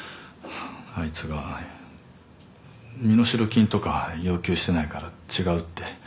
あいつが身代金とか要求してないから違うって。